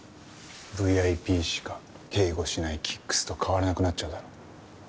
ＶＩＰしか警護しないＫＩＣＫＳと変わらなくなっちゃうだろ。